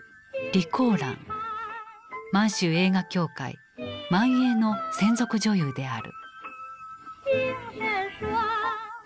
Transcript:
満州映画協会満映の専属女優である。